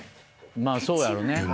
まあそうやろね。